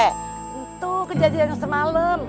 itu kejadian semalam